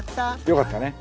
よかったね